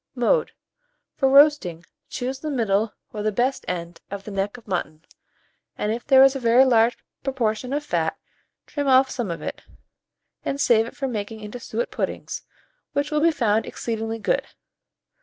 Mode. For roasting, choose the middle, or the best end, of the neck of mutton, and if there is a very large proportion of fat, trim off some of it, and save it for making into suet puddings, which will be found exceedingly good.